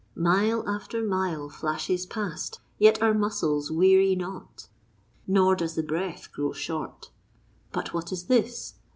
Mile after mile flashes past, yet our muscles weary not, nor does the breath grow short. But what is this?